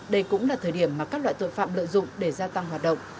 đây cũng là thời điểm mà các loại tội phạm lợi dụng để gia tăng hoạt động